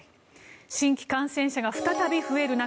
新規感染者が再び増える中